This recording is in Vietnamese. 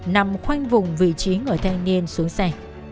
nằm khoanh vùng vị trí người thanh niên xuống xe